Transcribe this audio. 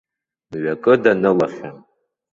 Мҩакы данылахьан.